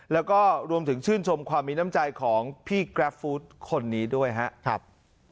แล้วก็รวมถึงชื่นชมความมีน้ำใจของพี่กราฟฟู้ดคนนี้ด้วยครับ